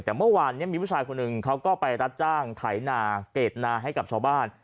แต่เมื่อวานนี้มีผู้ชายคนหนึ่งเขาก็ไปรับจ้างไถนาเกรดนาให้กับชาวบ้าน